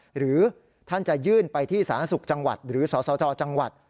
หรือท่านจะยื่นไปที่สาธารณสุขจังหวัดหรือสสจจังหวัด